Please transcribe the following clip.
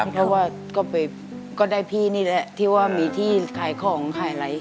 เพราะว่าก็ได้พี่นี่แหละที่ว่ามีที่ขายของขายอะไร